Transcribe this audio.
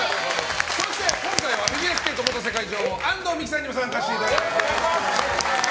そして、今回はフィギュアスケート元世界女王安藤美姫さんにも参加していただきます。